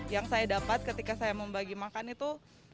yang saya dapat ketika saya membagi makan itu